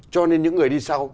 cho nên những người đi sau